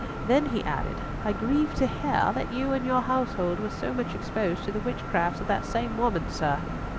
Then he added, "I grieved to hear that you and your household were so much exposed to the witchcrafts of that same woman, sir."